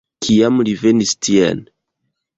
Kiam li venis tien?